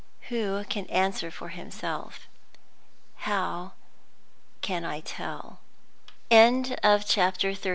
Who can answer for himself? How can I tell? CHAPTER XXXII.